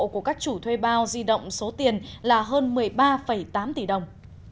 của các chủ thuê bao di động số tiền là hơn một mươi ba tám tỷ đồng